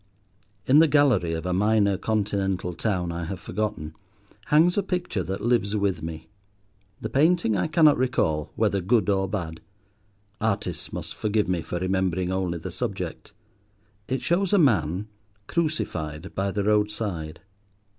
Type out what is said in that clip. In the gallery of a minor Continental town I have forgotten, hangs a picture that lives with me. The painting I cannot recall, whether good or bad; artists must forgive me for remembering only the subject. It shows a man, crucified by the roadside.